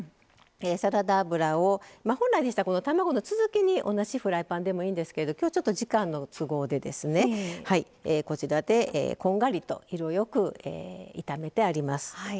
サラダ油を本来でしたら卵の続けに同じフライパンでもいいんですけどきょうは時間の都合でこんがりと色よく炒めてあります。